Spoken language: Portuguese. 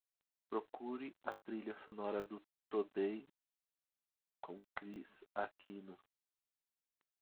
Procure a trilha sonora do Today com Kris Aquino